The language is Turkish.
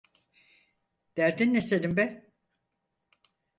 Derdin ne senin be?